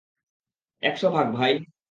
একশ ভাগ, ভাই!